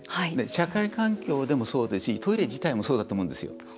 社会環境でもそうですしトイレ自体もそうだと思うんですよ。